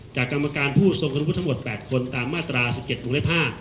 จากกรรมการผู้สงคลวุทธ์ทั้งหมด๘คนตามมาตรา๑๗ม๕